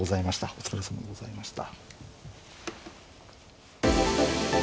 お疲れさまでございました。